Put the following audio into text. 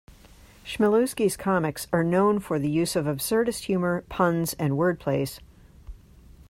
Chmielewski's comics are known for the use of absurdist humour, puns and word plays.